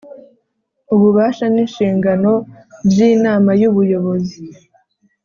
Ububasha n inshingano by Inama y Ubuyobozi